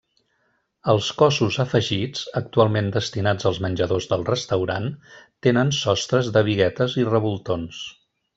Els cossos afegits, actualment destinats als menjadors del restaurant, tenen sostres de biguetes i revoltons.